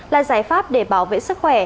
là giải pháp để bảo vệ sức khỏe